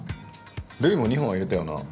ルイも２本は入れたよな？